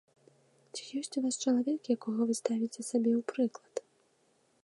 Ці ёсць у вас чалавек, якога вы ставіце сабе ў прыклад?